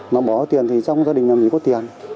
mà bỏ tiền thì trong gia đình nhà mình có tiền